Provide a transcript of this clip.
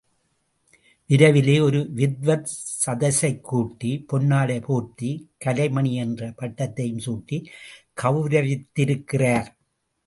விரைவிலேயே, ஒரு வித்வத் சதஸைக் கூட்டி, பொன்னாடை போர்த்தி, கலைமணி என்ற பட்டத்தையும் சூட்டி கௌரவித்திருக்கிறார்.